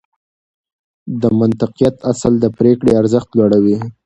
د منطقيت اصل د پرېکړې ارزښت لوړوي.